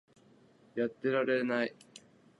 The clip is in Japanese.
やってられない